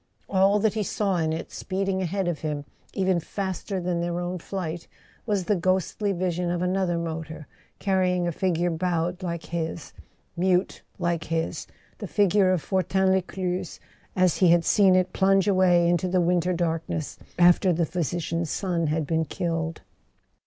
All that he saw in it, speeding ahead of him even faster than their own flight, was the ghostly vision of another motor, carrying a figure bowed like his, mute like his: the figure of Fortin Lescluze, as he had seen [ 265 ] A SON AT THE FRONT it plunge away into the winter darkness after the physi¬ cian's son had been killed.